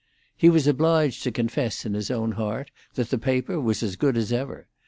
He was obliged to confess in his own heart that the paper was as good as ever.